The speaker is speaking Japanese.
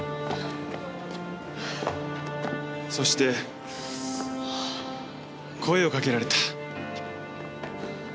そして声をかけられた。